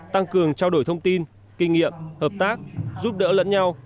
tăng cường trao đổi thông tin kinh nghiệm hợp tác giúp đỡ lẫn nhau